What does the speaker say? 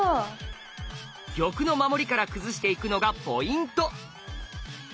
玉の守りから崩していくのがポイント！